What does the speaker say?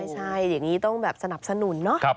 ใช่อย่างนี้ต้องแบบสนับสนุนเนาะ